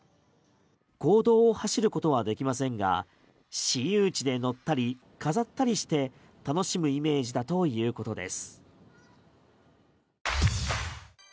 公道を走ることはできませんが私有地で乗ったり、飾ったりして楽しむイメージだということです。